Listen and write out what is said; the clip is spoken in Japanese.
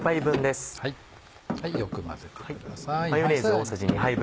よく混ぜてください。